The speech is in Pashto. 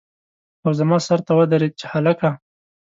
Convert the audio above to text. او زما سر ته ودرېد چې هلکه!